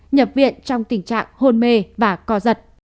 nhập viện trong tình trạng hôn mê và co giật